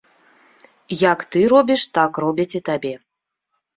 Як ты робіш, так робяць і табе.